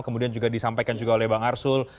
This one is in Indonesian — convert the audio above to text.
kemudian juga disampaikan juga oleh bang arsul